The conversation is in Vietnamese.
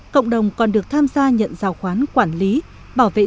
cộng đồng còn được tham gia nhận giao khoán quản lý bảo vệ rừng